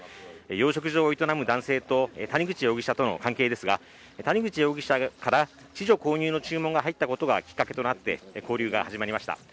養殖場を営む男性と谷口容疑者との関係ですが、谷口容疑者から稚魚購入の注文が入ったことがきっかけになって交流が始まりました。